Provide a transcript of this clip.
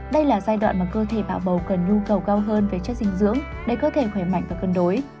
đây là giai đoạn mà cơ thể bạ bầu cần nhu cầu cao hơn về chất dinh dưỡng để cơ thể khỏe mạnh và cân đối